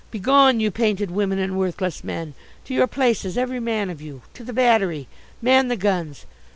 Begone you painted women and worthless men! To your places every man of you! To the Battery! Man the guns!